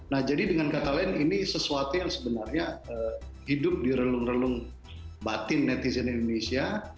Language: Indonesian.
nah jadi dengan kata lain ini sesuatu yang sebenarnya hidup di relung relung batin netizen indonesia